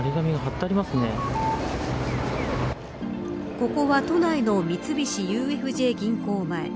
ここは、都内の三菱ＵＦＪ銀行前。